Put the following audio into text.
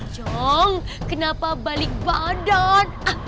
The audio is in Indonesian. tolong kenapa balik badan